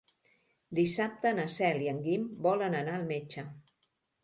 Dissabte na Cel i en Guim volen anar al metge.